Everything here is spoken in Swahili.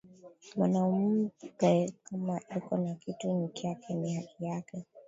Mwanamuke kama eko nakitu nikyake ni haki yake